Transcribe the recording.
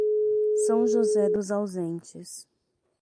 São José dos Ausentes